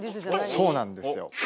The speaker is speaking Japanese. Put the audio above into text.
そうなんですよ。